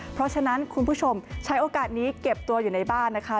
เพราะฉะนั้นคุณผู้ชมใช้โอกาสนี้เก็บตัวอยู่ในบ้านนะคะ